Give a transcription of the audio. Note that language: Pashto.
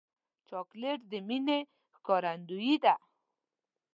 چاکلېټ د مینې ښکارندویي ده.